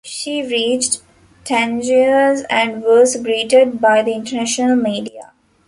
She reached Tangiers and was greeted by the international media.